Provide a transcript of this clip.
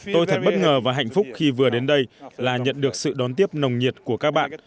tôi thật bất ngờ và hạnh phúc khi vừa đến đây là nhận được sự đón tiếp nồng nhiệt của các bạn